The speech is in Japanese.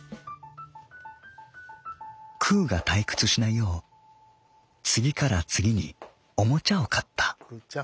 「くうが退屈しないよう次から次におもちゃを買った」。